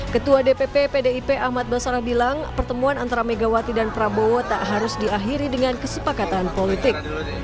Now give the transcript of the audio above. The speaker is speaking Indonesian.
ketua dpp pdip ahmad basarah bilang pertemuan antara megawati dan prabowo tak harus diakhiri dengan kesepakatan politik